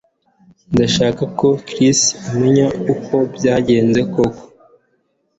Ndashaka ko Chris amenya uko byagenze koko